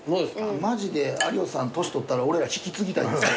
マジで有吉さん年取ったら俺ら引き継ぎたいです。